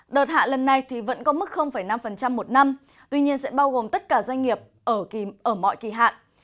đợt hạ lần này thì vẫn có mức năm một năm tuy nhiên sẽ bao gồm tất cả doanh nghiệp ở mọi kỳ hạn